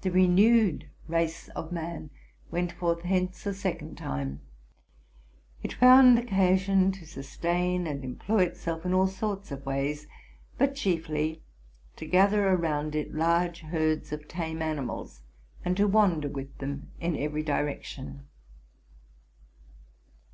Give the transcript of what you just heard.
The renewed race of man went forth hence a second time: it found occasion to sustain and employ itself in all sorts of ways, but chiefly to gather around it large herds of tame animals, and to wander with them in every direction.